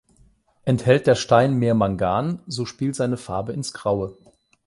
Enthält der Stein mehr Mangan, so spielt seine Farbe ins Graue.